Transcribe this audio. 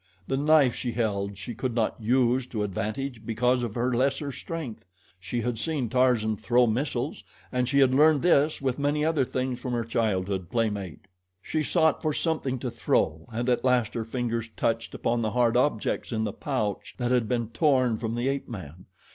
The knife she held she could not use to advantage because of her lesser strength. She had seen Tarzan throw missiles, and she had learned this with many other things from her childhood playmate. She sought for something to throw and at last her fingers touched upon the hard objects in the pouch that had been torn from the ape man.